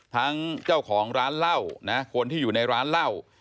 ทั้งเจ้าของร้านเหล้านะคนที่อยู่ในร้านเหล้า